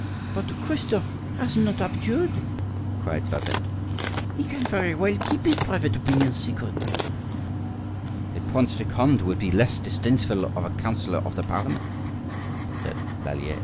"But Christophe has not abjured!" cried Babette. "He can very well keep his private opinions secret." "The Prince de Conde would be less disdainful of a counsellor of the Parliament," said Lallier.